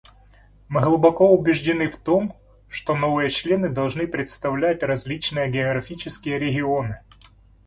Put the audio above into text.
Мы глубоко убеждены в том, что новые члены должны представлять различные географические регионы.